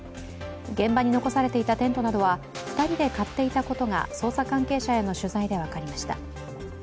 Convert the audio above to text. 現場に残されていたテントなどは２人で買っていたことが捜査関係者への取材で分かりました。